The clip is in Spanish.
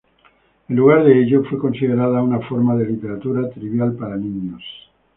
En lugar de ello, fue considerada una forma de literatura trivial para niños.